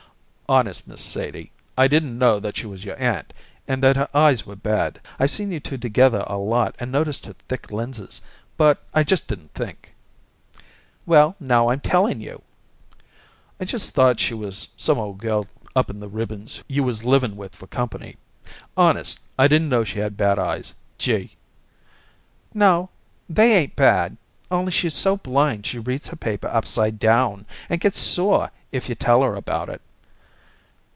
"Honest, Miss Sadie, I didn't know that she was your aunt and that her eyes was bad. I've seen you two together a lot and noticed her thick lenses, but I just didn't think." "Well, now I'm telling you." "I just thought she was some old girl up in the ribbons you was living with for company. Honest, I didn't know she had bad eyes. Gee!" "No, they ain't bad. Only she's so blind she reads her paper upside down and gets sore if you tell her about it."